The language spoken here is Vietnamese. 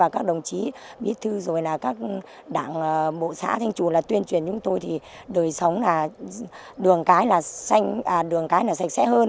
các đồng chí biết thư các đảng bộ xã thanh chùa tuyên truyền chúng tôi thì đời sống là đường cái sạch sẽ hơn